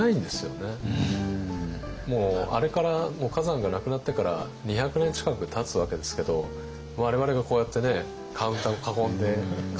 もうあれから崋山が亡くなってから２００年近くたつわけですけど我々がこうやってねカウンターを囲んで崋山の話をするっていう。